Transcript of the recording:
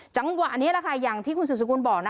จังหวะนี้แหละค่ะอย่างที่คุณสืบสกุลบอก